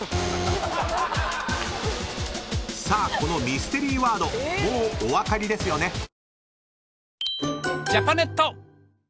［さあこのミステリーワードもうお分かりですよね？］